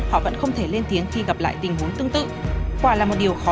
và bắt đầu nghi ngờ rằng đây là một vụ lừa đảo